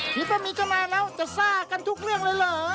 คิดว่ามีเข้ามาแล้วจะซ่ากันทุกเรื่องเลยเหรอ